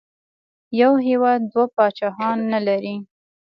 یو هېواد دوه پاچاهان نه لري.